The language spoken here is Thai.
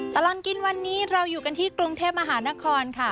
ตลอดกินวันนี้เราอยู่กันที่กรุงเทพมหานครค่ะ